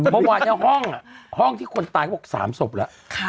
บ๊อบบ้านเนี่ยห้องห้องที่คนตายก็บอก๓ศพแล้ว